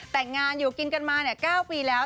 แต่งงานอยู่กินกันมา๙ปีแล้ว